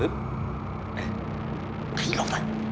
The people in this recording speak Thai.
อ้าวขอบคุณครับ